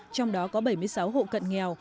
trong đó có bảy mươi sáu hộ cận nghèo